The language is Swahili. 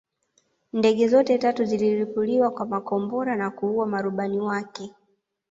Ndege zote tatu zililipuliwa kwa makombora na kuua marubani wake